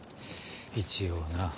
一応な。